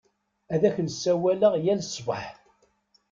Ad ak-n-sawaleɣ yal ṣṣbeḥ.